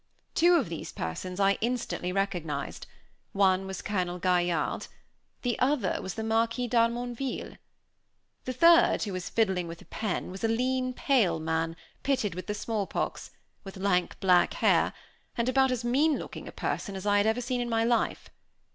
Two of these persons I instantly recognized; one was Colonel Gaillarde, the other was the Marquis d'Harmonville. The third, who was fiddling with a pen, was a lean, pale man, pitted with the small pox, with lank black hair, and about as mean looking a person as I had ever seen in my life.